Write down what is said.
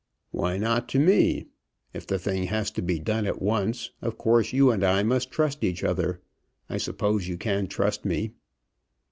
"Why not to me? If the thing has to be done at once, of course you and I must trust each other. I suppose you can trust me?"